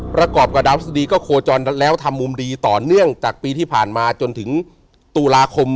ประกอบกับดาวทฤษฎีก็โคจรแล้วทำมุมดีต่อเนื่องจากปีที่ผ่านมาจนถึงตุลาคม